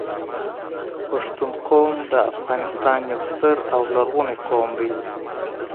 پښتون قوم د افغانستان یو ستر او لرغونی قوم دی